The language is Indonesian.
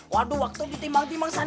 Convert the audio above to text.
waduh waktu ditimbang timbang san